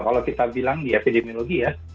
kalau kita bilang di epidemiologi ya